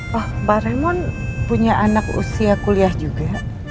pak raymond punya anak usia kuliah juga